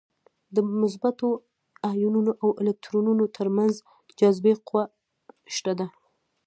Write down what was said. د مثبتو ایونونو او الکترونونو تر منځ جاذبې قوه شته ده.